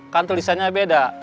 kan tulisannya beda